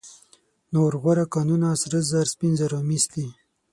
نور غوره کانونه سره زر، سپین زر او مس دي.